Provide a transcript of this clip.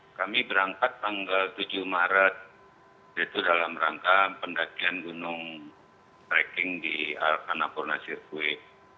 ya kami berangkat tanggal tujuh maret yaitu dalam rangka pendajian gunung trekking di alkanah purna circuit